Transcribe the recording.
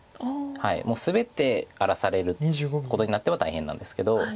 もう全て荒らされることになっては大変なんですけど。